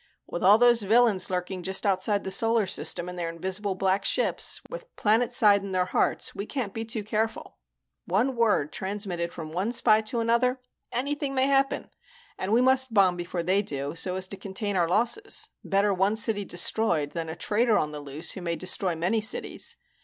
"With all those villains lurking just outside the Solar System in their invisible black ships, with planeticide in their hearts, we can't be too careful. One word transmitted from one spy to another and anything may happen. And we must bomb before they do, so as to contain our losses. Better one city destroyed than a traitor on the loose who may destroy many cities.